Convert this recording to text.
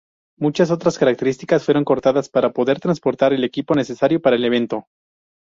Muchas otras carreteras fueron cortadas para poder transportar el equipo necesario para el evento.